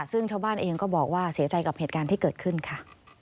ซึ่งชาวบ้านเองก็บอกว่าเสียใจกับเหตุการณ์ที่เกิดขึ้นค่ะ